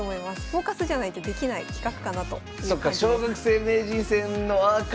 「フォーカス」じゃないとできない企画かなという感じです。